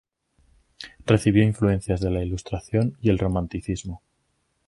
Recibió influencias de la Ilustración y el Romanticismo.